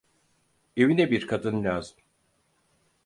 Evine bir kadın lazım.